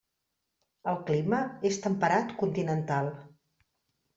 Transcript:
El clima és temperat continental.